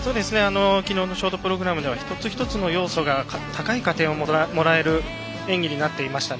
きのうのショートプログラムでは一つ一つの要素が高い加点をもらえる演技になっていましたね。